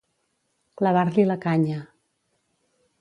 Clavar-li la canya.